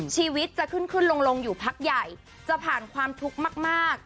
ชีวิตจะขึ้นขึ้นลงอยู่พักใหญ่จะผ่านความทุกข์มาก